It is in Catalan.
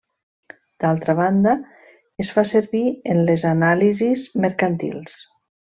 D'altra banda es fa servir en les anàlisis mercantils.